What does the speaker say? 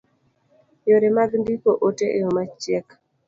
Yore mag ndiko ote e yo machiek